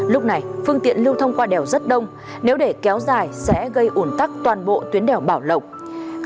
lúc này phương tiện lưu thông qua đèo rất đông nếu để kéo dài sẽ gây ủn tắc toàn bộ tuyến đèo bảo lộc